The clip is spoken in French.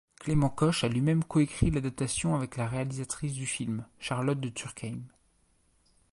Clément Koch a lui-même coécrit l'adaptation avec la réalisatrice du film, Charlotte de Turckheim.